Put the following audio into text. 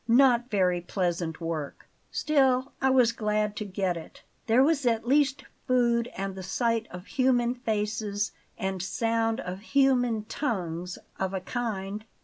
Not very pleasant work; still I was glad to get it; there was at least food and the sight of human faces and sound of human tongues of a kind.